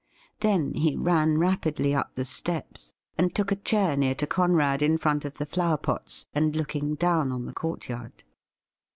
Then he ran rapidly up the steps, and took a chair near to Conrad in front of the flower pots, and looking down on the coiutyard.